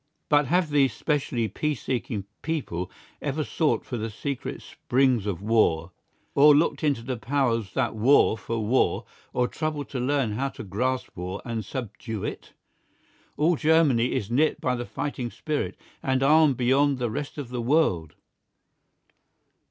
But have these specially peace seeking people ever sought for the secret springs of war, or looked into the powers that war for war, or troubled to learn how to grasp war and subdue it? All Germany is knit by the fighting spirit, and armed beyond the rest of the world.